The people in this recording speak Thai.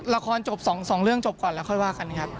ละครจบ๒เรื่องจบก่อนแล้วค่อยว่ากันครับ